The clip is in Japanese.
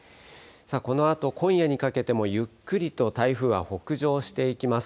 このあと今夜にかけてもゆっくりと台風は北上していきます。